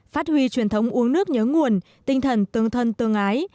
phát huy truyền thống uống nước nhớ nguồn tinh thần tương thân tương ái